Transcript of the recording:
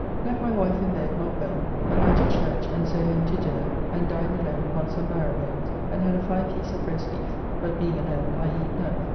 Left my wife in bed not well... and I to church, and so home to dinner, and dined alone upon some marrow bones, and had a fine piece of rost beef, but being alone I eat none.